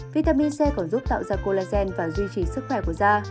vitamin c còn giúp tạo ra colagen và duy trì sức khỏe của da